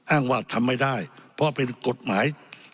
อ้างว่าทำไม่ได้เพราะเป็นกฎหมาย